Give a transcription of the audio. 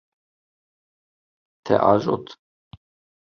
Te ajot.